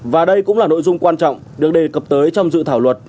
và đây cũng là nội dung quan trọng được đề cập tới trong dự thảo luật